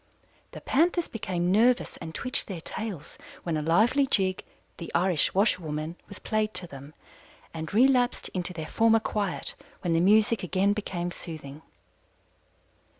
The Panthers became nervous and twitched their tails when a lively jig, 'The Irish Washerwoman,' was played to them, and relapsed into their former quiet when the music again became soothing.